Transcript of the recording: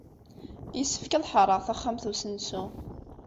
Yessefk ad ḥeṛṛeɣ taxxamt n usensu.